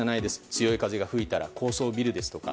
強い風が吹いたら高層ビルですとか